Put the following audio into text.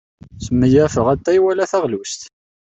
Smeyafeɣ atay wala taɣlust.